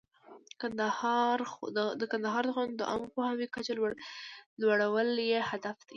د کندهاري خویندو د عامه پوهاوي کچه لوړول یې هدف دی.